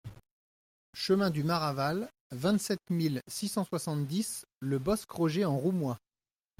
Chemin du Maraval, vingt-sept mille six cent soixante-dix Le Bosc-Roger-en-Roumois